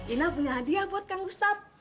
ina punya hadiah buat kang ustaz